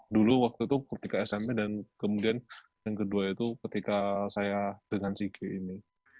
dulu waktu itu ketika smp dan kemudian yang kedua itu ketika saya dengan si g ini